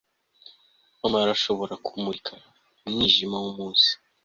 mama arashobora kumurika umwijima wumunsi